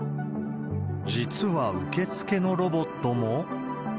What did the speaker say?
実は受付のロボットも。